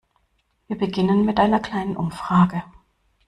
Wir beginnen mit einer kleinen Umfrage.